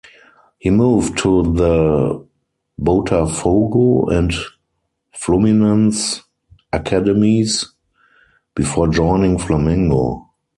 He moved to the Botafogo and Fluminense academies before joining Flamengo.